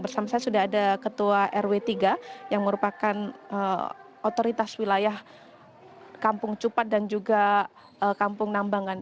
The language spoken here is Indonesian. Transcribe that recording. bersama saya sudah ada ketua rw tiga yang merupakan otoritas wilayah kampung cupat dan juga kampung nambangan